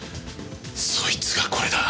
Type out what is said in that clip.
そいつがこれだ。